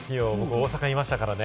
大阪にいましたからね。